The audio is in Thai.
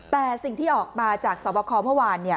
แต่สิ่งที่ออกมาจากสวบคอเมื่อวาน